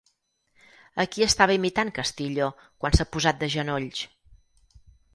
A qui estava imitant Castillo quan s'ha posat de genolls?